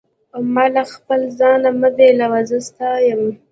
ما له خپل ځانه مه بېلوه، زه ستا یم.